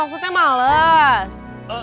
oh maksudnya males